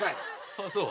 あっそう？